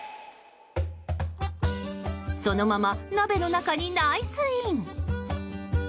そのまま、鍋の中にナイスイン。